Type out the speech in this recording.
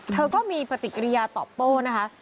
เธอก็มีปฏิกิริยาตอบโต้นะคะ